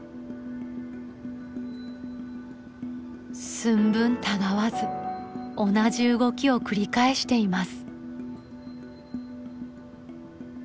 寸分たがわず同じ動きを繰り返しています。